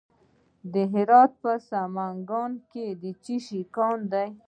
د هرات په سنګلان کې د څه شي کان دی؟